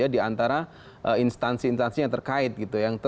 di antara instansi instansi yang terkait gitu ya